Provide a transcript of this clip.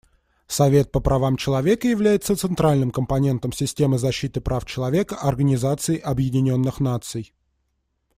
Совет по правам человека является центральным компонентом системы защиты прав человека Организации Объединенных Наций.